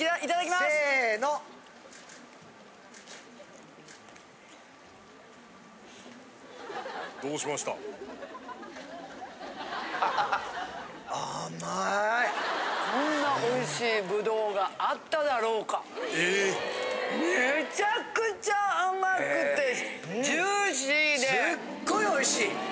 すっごいおいしい！